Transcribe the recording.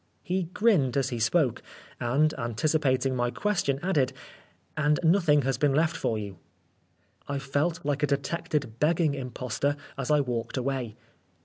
He grinned as he spoke, and, antici pating my question, added "and nothing has been left for you." I felt like a detected begging impostor as I walked away.